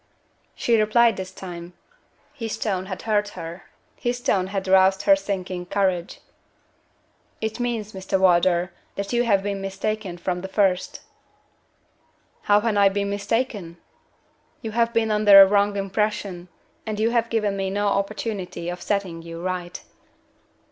She replied this time. His tone had hurt her his tone had roused her sinking courage. "It means, Mr. Wardour, that you have been mistaken from the first." "How have I been mistaken?" "You have been under a wrong impression, and you have given me no opportunity of setting you right."